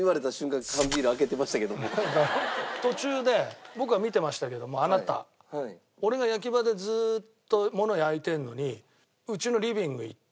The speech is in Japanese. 途中で僕は見てましたけどもあなた俺が焼き場でずーっとものを焼いてるのに。